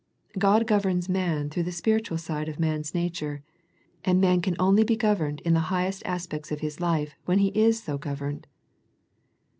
God governs man through the spiritual side of man's nature, and man can only be governed in the highest aspects of his life when he is so governed.